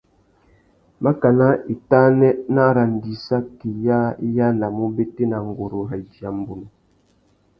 Makana itānê nà arandissaki yâā i yānamú ubétēna nguru râ idiya mbunu.